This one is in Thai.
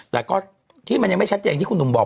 แต่ก็ที่มันยังไม่ชัดเจนที่คุณหนุ่มบอก